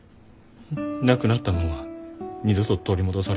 なくなったもんは二度と取り戻されへん。